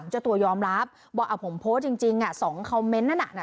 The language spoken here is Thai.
เจ้าตัวยอมรับบอกผมโพสต์จริง๒คอมเมนต์นั้นน่ะ